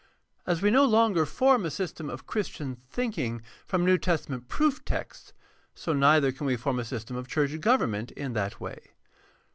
As we no longer form a system of Christian think ing from New Testament proof texts, so neither can we form a system of church government in that way.